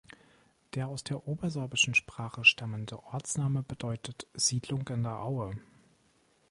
Der aus der obersorbischen Sprache stammende Ortsname bedeutet „Siedlung in der Aue“.